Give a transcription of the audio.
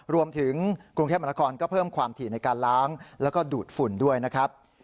รวมถึงกรุงเทพมนาคมก็เพิ่มความถี่ในการล้างแล้วก็ดูดฝุ่นด้วยนะครับ